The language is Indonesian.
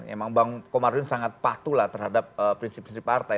emang bang komarudin sangat patuh lah terhadap prinsip prinsip partai